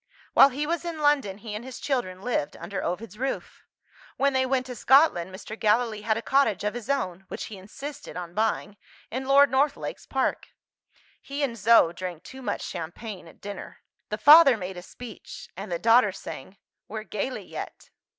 While he was in London, he and his children lived under Ovid's roof. When they went to Scotland, Mr. Gallilee had a cottage of his own (which he insisted on buying) in Lord Northlake's park. He and Zo drank too much champagne at dinner. The father made a speech; and the daughter sang, "We're gayly yet."